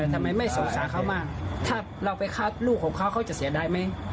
ทำไมไม่สงสารเขามากถ้าเราไปฆ่าลูกของเขาเขาจะเสียดายไหม